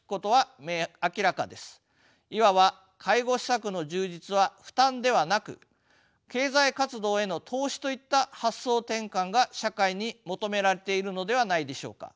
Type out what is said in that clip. いわば介護施策の充実は負担ではなく経済活動への投資といった発想転換が社会に求められているのではないでしょうか。